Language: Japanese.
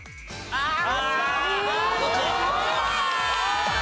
ああ！